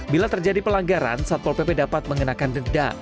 bila terjadi pelanggaran satpol pp dapat mengenakan denda